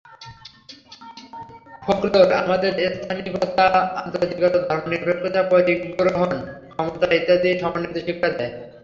Folklore আমাদের স্থানিকতা, আন্তর্জাতিকতা, ধর্মনিরপেক্ষতা, পরিগ্রহণ ক্ষমতা ইত্যাদির সমন্বিত শিক্ষা দেয়।